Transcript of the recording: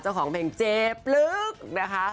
เจ้าของเพลงเจปลึกนะคะ